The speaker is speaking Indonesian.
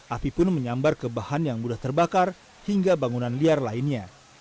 api pun menyambar ke bahan yang mudah terbakar hingga bangunan liar lainnya